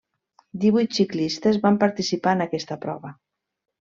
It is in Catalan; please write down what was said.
Divuit ciclistes van participar en aquesta prova.